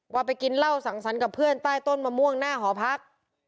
ไปกินเหล้าสั่งสรรค์กับเพื่อนใต้ต้นมะม่วงหน้าหอพัก